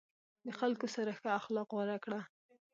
د خلکو سره ښه اخلاق غوره کړه.